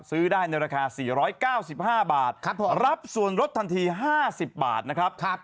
ซื้อได้ในราคา๔๙๕บาทรับส่วนลดทันที๕๐บาทนะครับ